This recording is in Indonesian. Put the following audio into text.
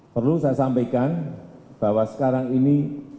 perlu saya sampaikan bahwa sekarang ini